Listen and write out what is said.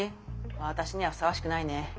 私にはふさわしくないね。